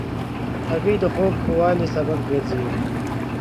هګۍ د خوب د ښه والي سبب ګرځي.